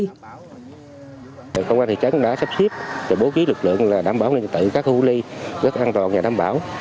lực lượng công an thị trấn đã sắp xếp bố trí lực lượng đảm bảo an ninh trật tự các khu ly rất an toàn và đảm bảo